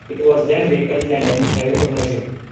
It was then vacant and in private ownership.